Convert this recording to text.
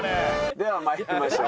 では参りましょう。